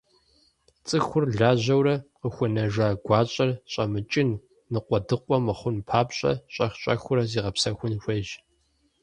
ЦӀыхур лажьэурэ къыхуэнэжа гуащӀэр щӀэмыкӀын, ныкъуэдыкъуэ мыхъун папщӀэ, щӏэх-щӏэхыурэ зигъэпсэхун хуейщ.